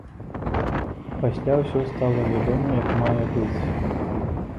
Пасля ўсё стала вядома як мае быць.